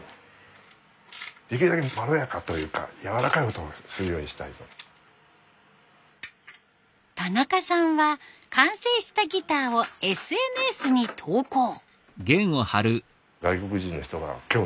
これができるだけ田中さんは完成したギターをＳＮＳに投稿。